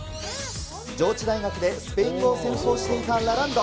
上智大学でスペイン語を専攻していたラランド。